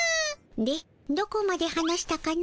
でどこまで話したかの？